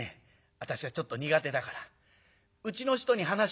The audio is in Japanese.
私はちょっと苦手だからうちの人に話をしてもいいかい？